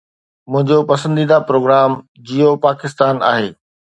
منهنجو پسنديده پروگرام جيوتپاڪستان آهي.